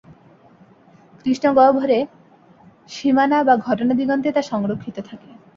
কৃষ্ণগহ্বরের সীমানা বা ঘটনা দিগন্তে তা সংরক্ষিত থাকে।